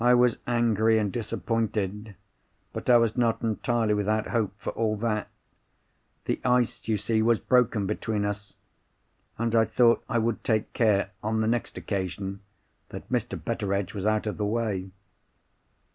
I was angry and disappointed; but I was not entirely without hope for all that. The ice, you see, was broken between us—and I thought I would take care, on the next occasion, that Mr. Betteredge was out of the way.